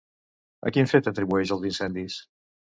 A quin fet atribueix els incendis?